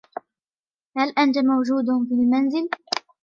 هل أنت موجود في المنزل ؟